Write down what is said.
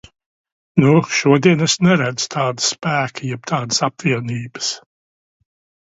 Nu, šodien es neredzu tāda spēka jeb tādas apvienības.